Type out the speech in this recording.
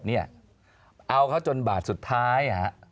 เอาเขาจนบาทสุดท้าย